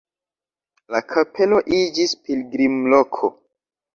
La kapelo iĝis pilgrimloko.